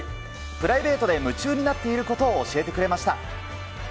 プライベートで夢中になっていることを教えてくれました。